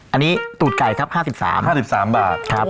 อันนี้ตูดไก่ครับ๕๓บาท